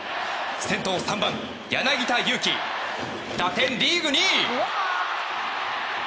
先頭３番、柳田悠岐打点リーグ２位。